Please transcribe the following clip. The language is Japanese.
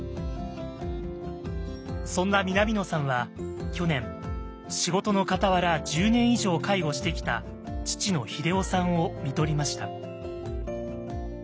そんな南野さんは去年仕事のかたわら１０年以上介護してきた父の英夫さんをみとりました。